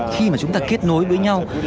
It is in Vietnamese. khi mà chúng ta kết nối với nhau